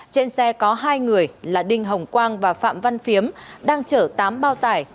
trên xe có hai người là đinh hồng quang và phạm văn phiếm đang chở tám bao tải